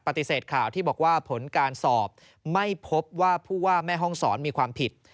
ข่าวที่บอกว่าผลการสอบไม่พบว่าผู้ว่าแม่ห้องศรมีความผิด